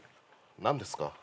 何ですか？